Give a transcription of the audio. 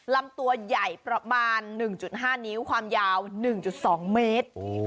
ลำตัวใหญ่ประมาณ๑๕นิ้วความยาว๑๒เมตร